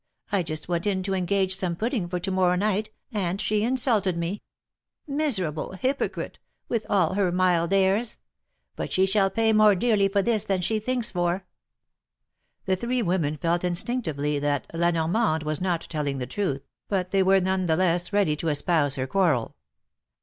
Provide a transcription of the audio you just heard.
I just went in to engage some pudding for to morrow night, and she insulted me — miserable hypocrite, with all her mild airs! But she shall pay more dearly for this than she thinks for !" The three women felt instinctively that La Norraande was not telling the truth, but they were none the less ready to espouse her quarrel.